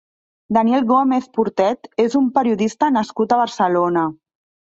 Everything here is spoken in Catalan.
Daniel Gómez Portet és un periodista nascut a Barcelona.